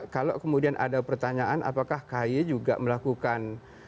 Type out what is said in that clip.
kalau kemudian ada pertanyaan apakah kaye juga melakukan